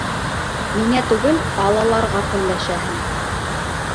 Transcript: Миңә түгел, Алаларға көнләшәһең.